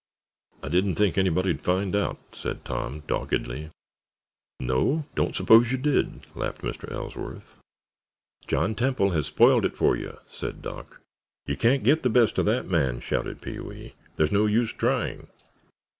"I didn't think anybody'd find out," said Tom doggedly. "No, I don't suppose you did," laughed Mr. Ellsworth. "John Temple spoiled it for you," said Doc. "You can't get the best of that man!" shouted Pee wee. "There's no use trying!"